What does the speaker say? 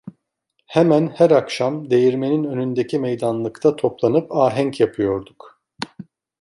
Hemen her akşam değirmenin önündeki meydanlıkta toplanıp ahenk yapıyorduk.